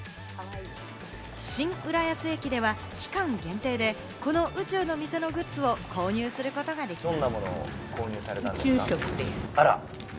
新浦安駅では期間限定でこの宇宙のお店のグッズを購入することができます。